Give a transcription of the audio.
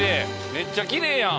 めっちゃきれいやん！